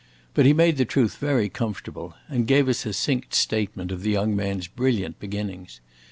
But he made the truth very comfortable, and gave a succinct statement of the young man's brilliant beginnings.